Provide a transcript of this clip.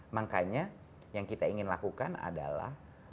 makanya yang kita ingin lakukan adalah